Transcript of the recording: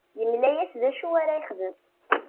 Yemla-as d acu ara yexdem.